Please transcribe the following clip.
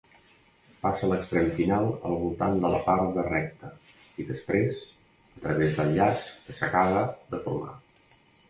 Passa l'extrem final al voltant de la part de recta, i després a través del llaç que s'acaba de formar.